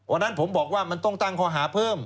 วันนั้นผมบอกว่ามันต้องตั้งข้อหาเพิ่ม